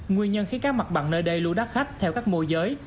nguyên nhân khi các mặt bằng nơi đây lưu đắt khách theo các mô giới